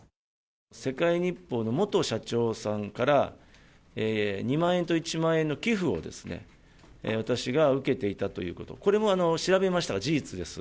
世界日報の元社長さんから、２万円と１万円の寄付をですね、私が受けていたということ、これも調べましたが、事実です。